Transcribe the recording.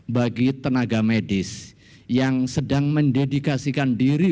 bagi tenaga medis yang sedang mendedikasikan diri